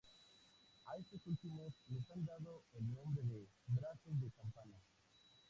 A estos últimos les han dado el nombre de "brazos de campana".